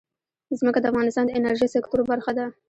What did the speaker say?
ځمکه د افغانستان د انرژۍ سکتور برخه ده.